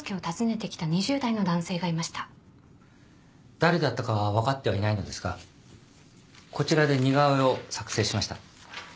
誰だったかは分かってはいないのですがこちらで似顔絵を作成しました。